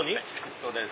そうです。